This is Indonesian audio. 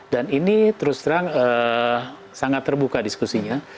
dan ini terus terang sangat terbuka diskusinya